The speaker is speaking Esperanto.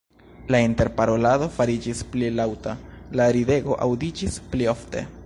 La interparolado fariĝis pli laŭta, la ridego aŭdiĝis pli ofte.